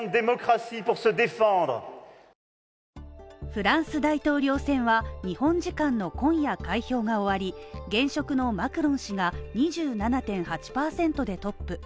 フランス大統領選は日本時間の今夜開票が終わり、現職のマクロン氏が２７．８％でトップ。